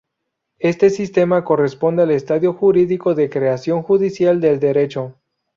Este sistema corresponde al estadio jurídico de creación judicial del Derecho.